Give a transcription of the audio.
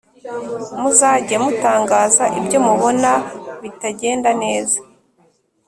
Muzage mutangaza ibyo mubona bitagenda neza